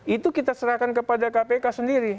itu kita serahkan kepada kpk sendiri